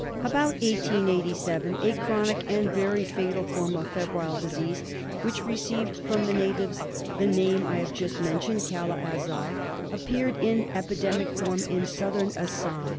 About 1887 a chronic and very fatal form of febrile disease, which received from the natives the name I have just mentioned — Kala Azar — appeared in epidemic form in Southern Assam.